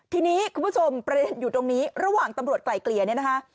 ทีนี้คุณผู้ชมประเด็นอยู่ตรงนี้ระหว่างตำรวจไกลเกลี่ยเนี่ยนะคะ